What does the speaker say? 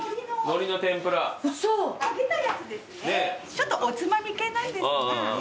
ちょっとおつまみ系なんですが。